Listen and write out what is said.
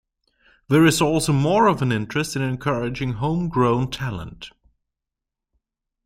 There is also more of an interest in encouraging home grown talent.